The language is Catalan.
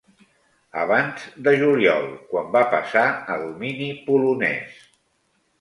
Abans de juliol, quan va passar a domini polonès.